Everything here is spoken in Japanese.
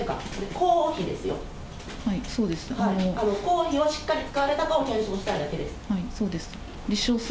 公費をしっかり使われたかを検証したいだけです。